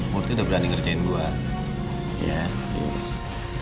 murti udah berani ngerjain gue